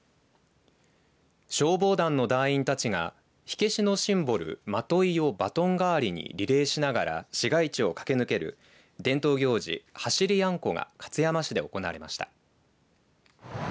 消防団の隊員たちが火消しのシンボルまといをバトン代わりにリレーしながら市街地を駆け抜ける伝統行事、走りやんこが勝山市で行われました。